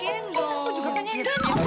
tidak kamu juga punya yang gendong